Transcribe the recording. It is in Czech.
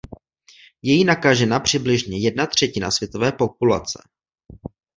Je jí nakažena přibližně jedna třetina světové populace.